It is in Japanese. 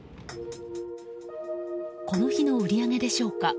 この日の売り上げでしょうか。